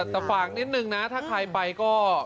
แต่ฝากนิดนึงนะถ้าใครไปก็